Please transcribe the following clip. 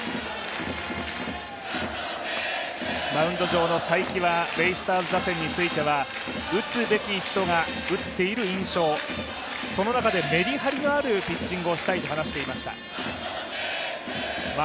マウンド上の才木はベイスターズ打線については打つべき人が打っている印象、その中でメリハリのあるピッチングをしたいと話していました。